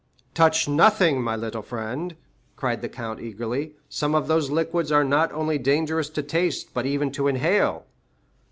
"Touch nothing, my little friend," cried the count eagerly; "some of those liquids are not only dangerous to taste, but even to inhale."